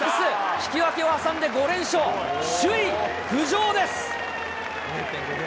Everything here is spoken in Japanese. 引き分けを挟んで５連勝、首位浮上です。